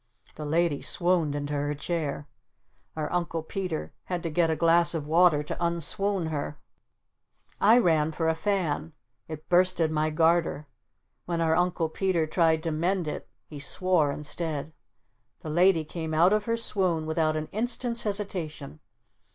The Lady swooned into her chair. Our Uncle Peter had to get a glass of water to un swoon her. I ran for a fan. It bursted my garter. When our Uncle Peter tried to mend it he swore instead. The Lady came out of her swoon without an instant's hesitation.